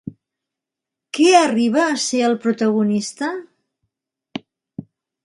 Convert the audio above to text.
Què arriba a ser el protagonista?